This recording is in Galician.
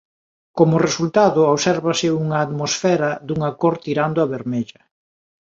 Como resultado obsérvase unha atmosfera dunha cor tirando a vermella.